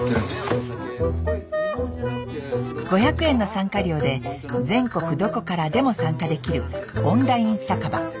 ５００円の参加料で全国どこからでも参加できるオンライン酒場。